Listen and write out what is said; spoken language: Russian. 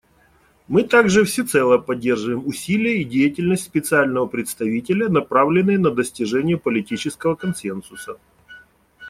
Мы также всецело поддерживаем усилия и деятельность Специального представителя, направленные на достижение политического консенсуса.